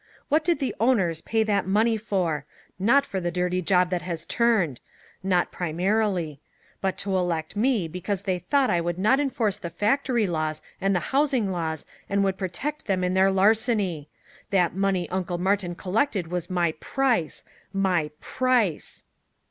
What did the owners pay that money for? Not for the dirty job that was turned not primarily. But to elect me, because they thought I would not enforce the factory laws and the housing laws and would protect them in their larceny! That money Uncle Martin collected was my price my price!"